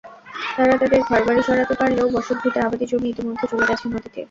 তাঁরা তাঁদের ঘরবাড়ি সরাতে পারলেও বসতভিটা, আবাদি জমি ইতিমধ্যে চলে গেছে নদীতে।